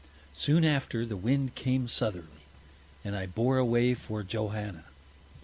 Soon after, the Wind came Southerly, and I bore away for Johanna.